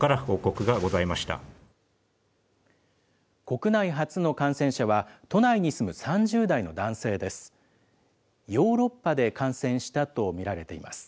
国内初の感染者は、都内に住む３０代の男性です。